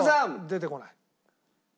出てこない。